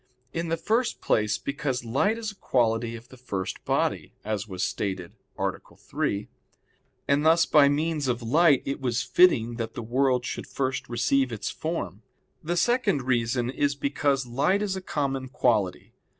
In the first place because light is a quality of the first body, as was stated (A. 3), and thus by means of light it was fitting that the world should first receive its form. The second reason is because light is a common quality.